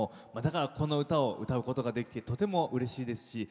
この歌を歌うことができてとてもうれしいです。